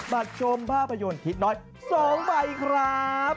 บัตรชมภาพยนตร์ทิศน้อย๒ใบครับ